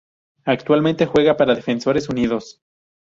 Actualmente juega para Defensores Unidos.